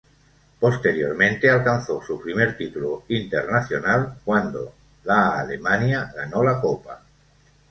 Posteriormente alcanzó su primer título internacional cuando la Alemania ganó la copa.